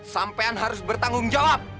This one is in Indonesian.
sampean harus bertanggung jawab